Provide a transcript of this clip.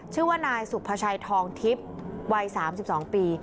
ชื่อว่านายสุภาชัยทองทิพย์วัย๓๒ปี